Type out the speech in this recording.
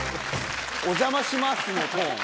「お邪魔します」のトーン。